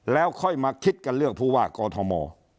แล้วค่อยมาคิดกันเลือกผู้ว่ากอทม